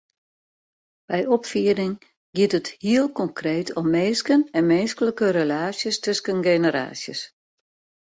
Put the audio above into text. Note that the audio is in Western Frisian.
By opfieding giet it heel konkreet om minsken en minsklike relaasjes tusken generaasjes.